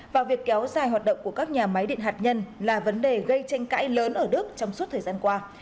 và việc kéo dài hoạt động của các nhà máy điện hạt nhân là vấn đề gây tranh cãi lớn ở đức trong suốt thời gian qua